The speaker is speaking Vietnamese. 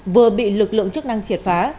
vừa bị lực lượng chức năng chiếm